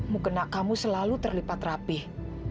mukena kamu selalu terlipat rapih